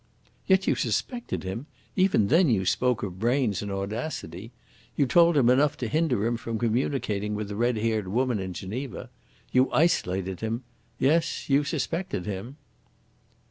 "Yet you suspected him even then you spoke of brains and audacity. You told him enough to hinder him from communicating with the red haired woman in Geneva. You isolated him. Yes, you suspected him."